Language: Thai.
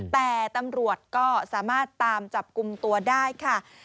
แต่ตำรวจก็สามารถตามจับกลุ่มตัวได้ค่ะ